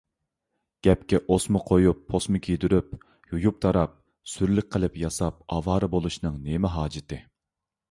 گەپكە ئوسما قويۇپ، پوسما كىيدۈرۈپ، يۇيۇپ - تاراپ، سۈرلۈك قىلىپ ياساپ ئاۋارە بولۇشنىڭ نېمە ھاجىتى؟